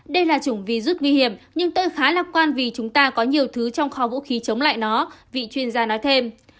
đây là chủng virus nguy hiểm nhưng tôi khá lạc quan vì chúng ta có nhiều thứ trong kho vũ khí chống lại nó vị chuyên gia nói thêm